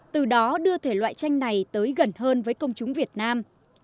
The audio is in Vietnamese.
từ đó đưa thể loại tranh này tới gần hơn với công chúng việt nam